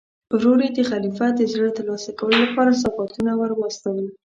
ورور یې د خلیفه د زړه ترلاسه کولو لپاره سوغاتونه ور واستول.